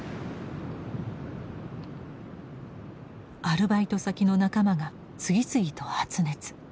アルバイト先の仲間が次々と発熱。